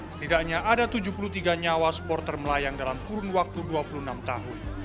setidaknya ada tujuh puluh tiga nyawa supporter melayang dalam kurun waktu dua puluh enam tahun